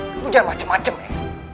kamu lihat macam macam ya